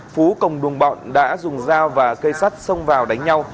phú cùng đồng bọn đã dùng dao và cây sắt xông vào đánh nhau